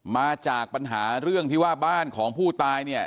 มาจากปัญหาเรื่องที่ว่าบ้านของผู้ตายเนี่ย